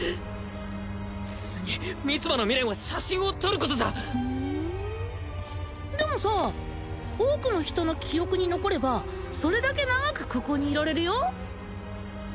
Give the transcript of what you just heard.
そっそれに三葉の未練は写真を撮ることじゃふーんでもさ多くの人の記憶に残ればそれだけ長くここにいられるよ？